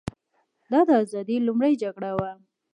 دا د ازادۍ لومړۍ جګړه وه.